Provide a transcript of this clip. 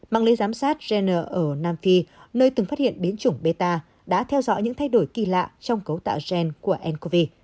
mạng lý giám sát jenner ở nam phi nơi từng phát hiện biến chủng beta đã theo dõi những thay đổi kỳ lạ trong cấu tạo jen của ncov